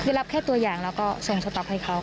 รับแค่ตัวอย่างแล้วก็ส่งสต๊อปให้เขา